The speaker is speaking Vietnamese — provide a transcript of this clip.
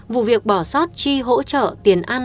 vụ việc bỏ sót chi hỗ trợ tiền ăn